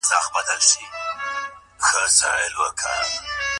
دا علم له موږ سره مرسته کوي.